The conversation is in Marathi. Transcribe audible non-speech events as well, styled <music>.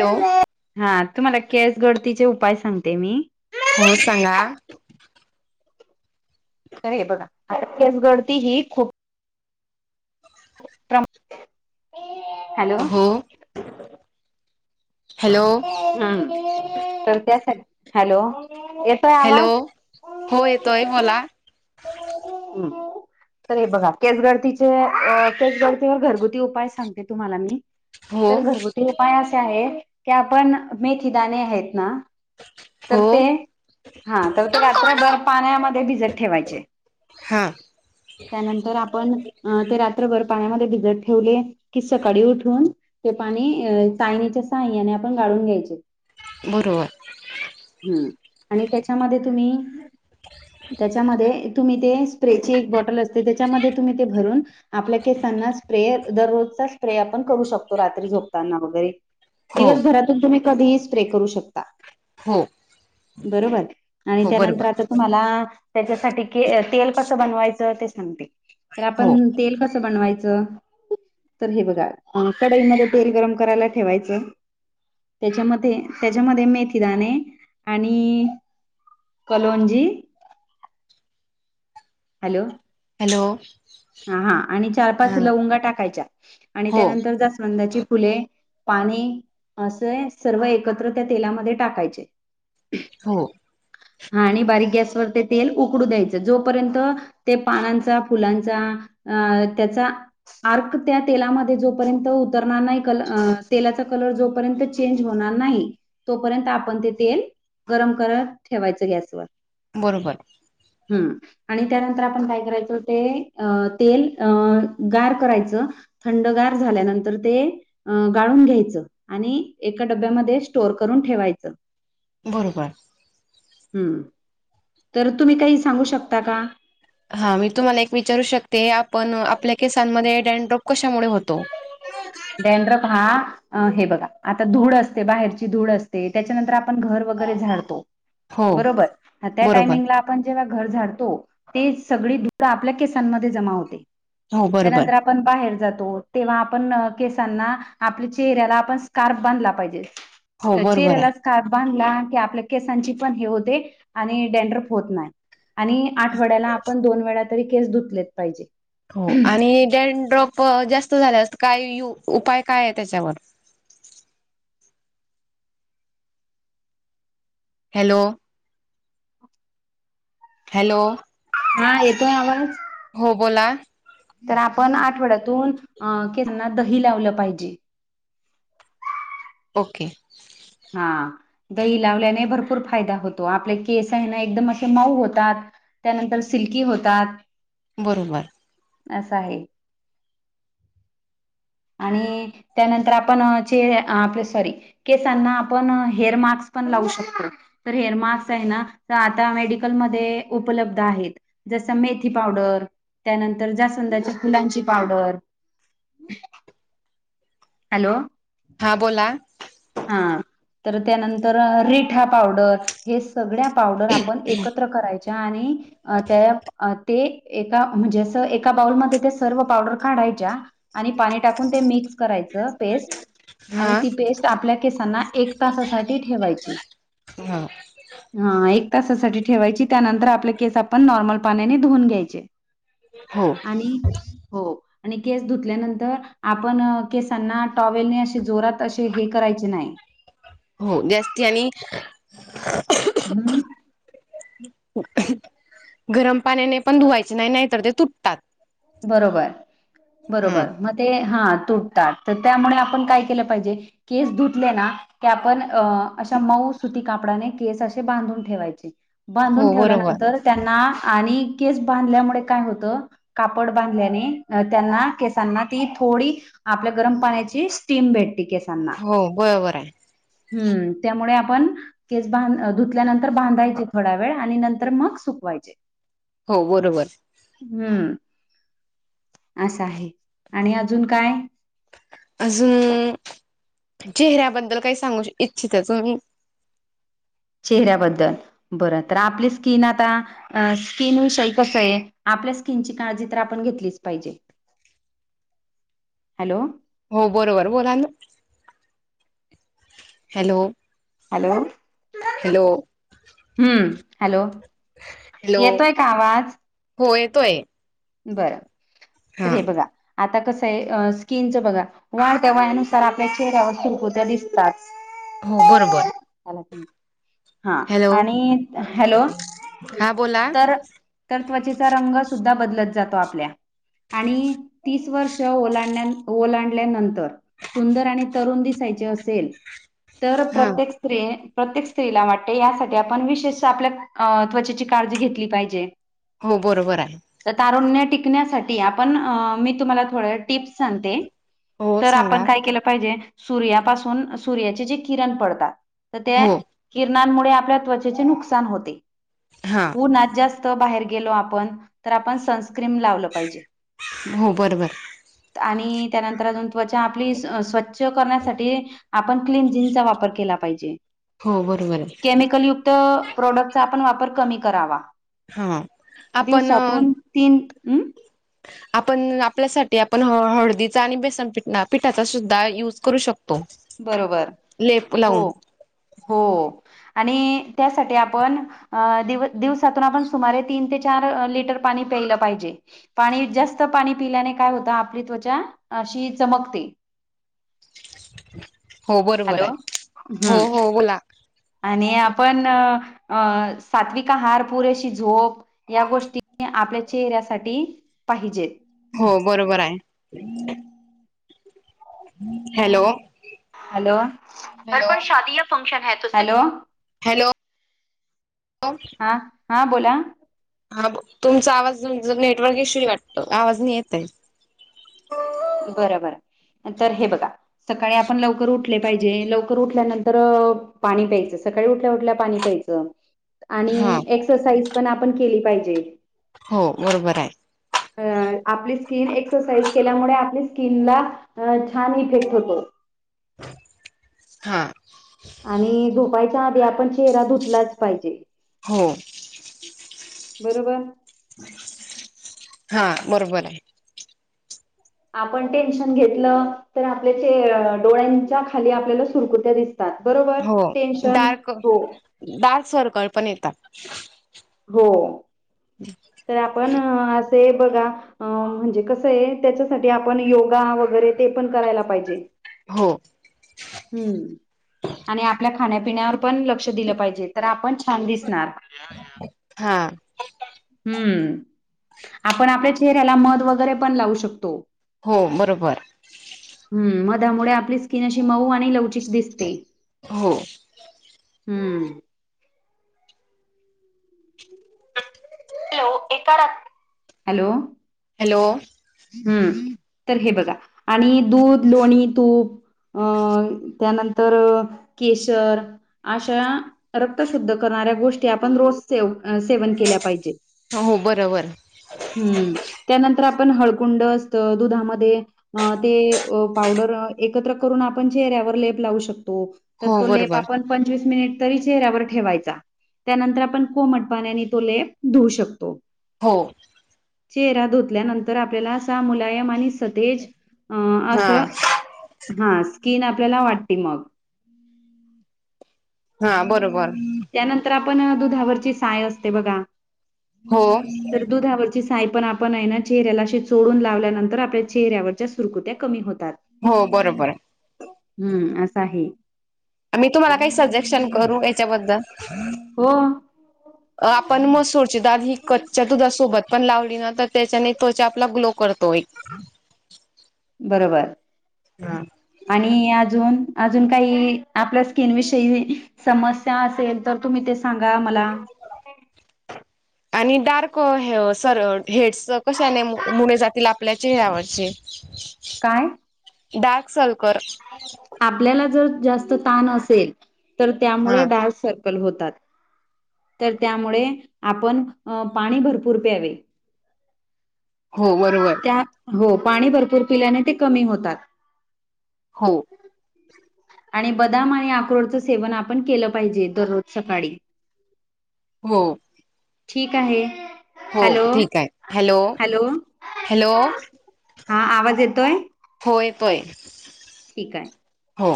हॅलो हा तुम्हाला केस गळतीचे उपाय सांगते मी हो सांगा तर हे बघा आता केस गळती ही खूप प्रमा <unintelligible> हो हॅलो हम तर त्यासा हॅलो हॅलो आवाज? हो येतोय बोला. हम् तर बघा केच गळतीचे केस गळतीवर घरगुती उपाय सांगते तुम्हाला मी हो तर घरगुती उपाय असे आहेत की आपण मेथी दणे आहेत ना हो तर ते हा तर ते रात्रभर पाण्यामध्ये भिजत ठेवायचे हा त्यानंतर आपण ते रात्रभर पाण्यामध्ये भिजत ठेवले कि सकाळी उठून ते पाणी तयणीच्या सय्याने आपण गाळून घ्यायचे बरोबर हम्म आणि त्याच्यामध्ये तुम्ही त्याच्यामध्ये तुम्ही ते स्प्रेची एक बॉटल असते त्याच्यामध्ये तुम्ही ते भरून आपल्या केसांना स्प्रे दररोजचा स्प्रे आपण करू शकतो रात्री झोपताना वगैरे हो दिवसभरातून तुम्ही कधीही स्प्रे करू शकता हो बरोबर आणि हो त्यानंतर बरोबर आता तुम्हाला त्याच्यासाठी के तेल कसं बनवायचं ते सांगते तर हो आपण तेल कस बनवायचं तर हे बघा कढईमध्ये तेल गरम करायला ठेवायचं त्याच्यामध्ये त्याच्यामध्ये मेथीदाणे आणि कॉलोनजी हॅलो हॅलो हा आणि चार पाच हा लवंगा टाकायच्या आणि हो त्यानंतर जास्वंदाची फुले पाणी असं सर्व एकत्र त्या तेलामध्ये टाकायचे हो हा आणि बारीक गॅसवर ते तेल उकडू द्यायचं जोपर्यंत ते पानांचा फुलांचा अ त्याचा आर्क त्या तेलामध्ये जोपर्यंत उतरणार नाही कल तेलाचा कलर जोपर्यंत चेंज होणार नाही तोपर्यंत आपण ते तेल गरम करत ठेवायचं गॅसवर बरोबर हम्म आणि त्यानंतर आपण काय करायचो ते अ तेल अ गार करायचं थंडगार झाल्यानंतर ते गाळून घ्यायचं आणि एका डब्यामध्ये स्टोर करून ठेवायचं बरोबर हम् तर तुम्ही काही सांगू शकता का हा मी तुम्हाला एक विचारू शकते आपण आपल्या केसांमध्ये डेनड्रॉप कशामुळे होतो डैड्रप हा अ हे बघा आता धूळ असते बाहेरची धूळ असते त्याच्यानंतर आपण घर वगैरे झाडतो हो बरोबर त्या बरोबर टायमिंगला जेव्हा घर झाडतो ते सग दध आपल्या केसांमध्ये जमा होते हो बरोबर त्यानंतर आपण बाहेर जातो तेव्हा आपण आप चे्या आप बधजे हो बरोबर चे्याला आहे कारबानला की आपल्या केसांची पण हे होते आणि डेनडरप होत नाही आणि आठवड्याला आपण दोन वेळा तरी केस धुतलेत पाहिजे हो आणि डेन ड्रॉप जास्त झाल्यास काय उपाय काय आहे त्याच्यावर हॅलो हॅलो हा येतोय आवाज हो बोला तर आपण आठवड्यातून अ केना दही लावलं पाहिजे ओके हा दही लावल्याने भरपूर फायदा होतो आपले केस आहे ना एकदम असे मऊ होतात त्यानंतर सिल्की होतात बरोबर असं आहे आणि त्यानंतर आपण चे आपले सॉरी केसांना आपण हेअर मास्क पण लावू शकतो तर हेअर मास्क आहे ना तर आता मेडिकलमध्येध्ये उपलब्ध आहेत जस मेथी पावडर त्यानंतर जासंदाची फुलांची पावडर <unintelligible> <inaudible> हॅलो हां बोला हा तर त्यानंतर रेठा पावडर हे सगळ्या पावडर आपण एकत्र करायच्या आणि अ त्या ते एका म्हणजे असं एका बाउलमध्ये ते सर्व पावडर काढायच्या आणि पाणी टाकून ते मिक्स करायचं पेस्ट आणि हा ती पेस्ट आपल्या केसांना एक तासासाठी ठेवायची हा हा एक तासासाठी ठेवायची त्यानंतर आपले केस आपण नॉर्मल पाण्याने धुवून घ्यायचे हा हो आणि केस धुतल्यानंतर आपण केसांना टॉवेलने असे जोरात असे हे करायचे नाही हो जास्ती आणि हम्म गरम पाण्याने पण धुवायचे नाही नाही तर ते तुटतात बरोबर हा बरोबर मग ते हा तु तर त्यामुळे आपण काय केलं पाहिजे केस धुतले ना की आपण अ अशा मऊ सुती कापडाने केस असे बांधून ठेवायचे हो बांधून बरोबर ठेवल्यानंतर त्यांना आणि केस बांधल्यामुळे काय होतं कापड बांधल्याने त्यांना केसांना ती थोडी आपल्या गरम पाण्याची स्टीम भेटते क हो बरोबर आहे हम्म त्यामुळे आपण केस बांध धुतल्यानंतर बांधायचे थोडा वेळ आणि नंतर मग सुकवायचे हो बरोबर हम्म असं आहे आणि अजून काय अजून चेहऱ्याबद्दल काही सांगू इच्छित आहे तु् चेहऱ्याबद्दल बरं तर आपली स्किन आता अ स्किन विषयी कसं आहे आपल्या स्किनची काळजी तर आपण घेतलीच पाहिजे <inaudible> हॅलो हो बरोबर बोला हॅलो हॅलो हॅलो हम्म हॅलो हॅलो येतोय का आवाज हो येतोय बर तर हा हे बघा आता कसं आहे स्कीिनच बघा वाढत्या वयानुसार आपल्या चेहऱ्यावर सुरकुत्या दिसतात हो बरोबर ला हा हॅलो आणि हॅलो हा बोला तर तर त्वचेचा रंग सुद्धा बदलत जातो आपल्या आणि तीस वर्ष ओलांड ओलांडल्यानंतर सुंदर आणि तरुण दिसायचे असेल तर हा प्रत्येक स्त्री प्रत्येक स्त्रीला वाटते यासाठी आपण विशेष आपल्या अ त्वचेची काळजी घेतली पाहिजे हो बरोबर आहे तर तारुण्य टिकण्यासाठी आपण मी तुम्हाला थोड टिप्स सांगते हो तर आपण सांगा काय केलं पाहिजे सूर्यापासून सूर्याचे जे किरण पडतात तर त्या हो किरणांमुळे आपल्या त्वचेचे नुकसान होते हा उन्हात जास्त बाहेर गेलो आपण तर आपण सनस्क्रीम लावलं पाहिजे हो बरं बरं आणि त्यानंतर अजून त्वचा आपली स्वच्छ करण्यासाठी आपण क्लीन जीनचा वापर केला पाहिजे हो बरोबर आहे प्रोडक् वापर क करा हा दिवस आपण तीन आपण आपल्यासाठी आपण हळदीचा आणि बेसन पठ पिठाचा सुद्धा युज करू शकतो बरोबर लेप हो लावून हो आणि त्यासाठी आपण दिव दिवसातून आपण सुमारे तीन ते चार लिटर पाणी प्यायलं पाहिजे पाणी जास्त पाणी पिल्याने काय होत आपली त्वचा अशी चमकते हो बरोबर हॅलो आहे हम्म हो हो बोला आणि आपण अं सात्विका हार पुरेशी झोप या गोष्टी आपल्या चेहऱ्यासाठी पाहिजेत हो बरोबर आहे ह हॅलो हॅलो हॅलो हरपण शादी या फंक्शन ह त हॅलो हॅलोॅ हा हा बोला हा तुमचा आवाज नेटवर्क येशू वाटतो आवाज नाही येतय बरं बरं तर हे बघा सकाळी आपण लवकर उठले पाहिजे लवकर उठल्यानंतर पाणी प्यायचं सकाळी उठल्या उठल्या पाणी प्यायचं च आणि हा एक्सरसाइज पण आपण केली पाहिजे हो बरोबर हाय अ आपली स्किन एक्सरसाइज केल्यामुळे आपली स्किनला छान इफेक्ट होतो हा आणि झोपायच्या आधी आपण चेहरा धुतलाच पाहिजे हो बरोबर हा बरोबर हाय आपण टेन्शन घेतलं तर आपल्या चेह आपल्या डोळ्यांच्या खाली आपल्याला सुरकुत्या दिस तात बरोबर हो टेन्शन डार्क हो डार्क सर्कल पण येतात हो तर आपण असे बघा अ म्हणजे कसं आहे त्याच्यासाठी आपण योगा वगैरे ते पण करायला पाहिजे हो हम्म आणि आपल्या खाण्या पिण्यावर पण लक्ष दिलं पाहिजे तर आपण छान दिसणार हा हम्म आपण आपल्या चेहऱ्याला मध वगैरे पण लावू शकतो हो बरोबर. हम् म मधामुळे आपली स्किन अशी मऊ आणि लवचिक दिसते. हो हम्म हॅलो एका रात्री हॅलो हॅलो हम् तर हे बघा आणि दूध लोणी तूप अ त्यानंतर केशर अशा रक्तशुद्ध करणाऱ्या गोष्टी आपण रोज सेव सेवन केल्या पाहिजे. हो बरोबर हम्म त्यानंतर आपण हळकुंड असतं दुधामध्ये अ ते पावडर एकत्र करून आपण चेहऱ्यावर लेप लावू शकतो. तर हो तो लेप बरोबर आपण पंचवीस मिनिट तरी चेहऱ्यावर ठेवायचा. त्यानंतर आपण कोमट पाण्याने तो लेप धुऊ शकतो. हो चेहरा धुतल्यानंतर आपल्याला असा मुलायम आणि सतेज. अ हा असं हा स्किन आपल्याला वाटते मग हा बरोबर. त्यानंतर आपण दुधावरची साय असते बघा हो तर दुधावरची साय पण आपण आहे ना चेहऱ्याला चोडून लावल्यानंतर आपल्या चेहऱ्यावरच्या सुरकुत्या कमी होतात. हो बरोबर आहे हम्म असं आहे मी तुम्हाला काही सजेक्शन करू याच्याबद्दल हो अ आपण मसूरची दाद ही कच्च्या दुधासोबत पण लावली ना तर त्याच्याने त्वचा आपला ग्लो करतोय. बरोबर हा आणि अजून अजून काही आपल्या स्किन विषयी समस्या असेल तर तुम्ही ते सांगा मला आ आणि डार्क सर हेड्स कशाने मुणे जातील आपल्या चेहऱ्यावरचे. ह काय? दडाख सल करर. आपल्याला जर जास्त ताण असेल तर हा त्यामुळे डा स होतात तर त्यामुळे आपण पाणी भरपूर प्यावे. हो बरोबर त्या हो पाणी भरपूर पिल्याने ते कमी होतात. हो आणि बदाम आणि अक्रोडचं सेवन आपण केलं पाहिजे दररोज सकाळी हो ठीक आहे. हो हॅलो ठीक आहे हॅलो हॅलो हा आवाज येतोय. होय पय. ठीक आहे. हो